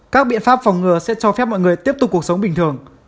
các biện pháp phòng ngừa sẽ cho phép mọi người tiếp tục cuộc sống bình thường